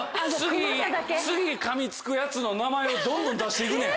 次噛みつくヤツの名前をどんどん出して行くねや？